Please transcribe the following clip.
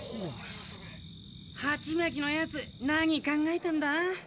ハチマキのやつ何考えてんだ？